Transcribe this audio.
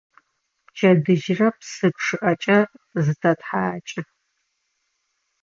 Пчэдыжьрэ псы чъыӀэкӀэ зытэтхьакӀы.